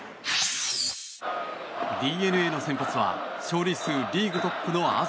ＤｅＮＡの先発は勝利数リーグトップの東。